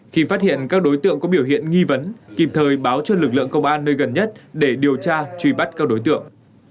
khi phát hiện các đối tượng có biểu hiện nghi vấn kịp thời báo cho lực lượng công an nơi gần nhất để điều tra truy bắt các đối tượng